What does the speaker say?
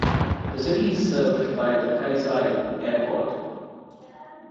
The city is served by the Kyzyl Airport.